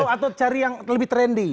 atau cari yang lebih trendy